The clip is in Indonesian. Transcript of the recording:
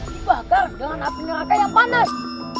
dibakar dengan api neraka yang panas